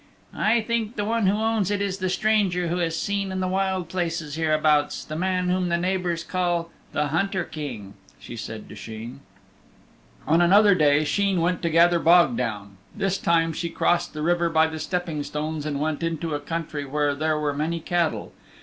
"I think the one who owns it is the stranger who is seen in the wild places hereabouts the man whom the neighbors call the Hunter King," she said to Sheen. On another day Sheen went to gather bog down. This time she crossed the river by the stepping stones and went into a country where there were many cattle.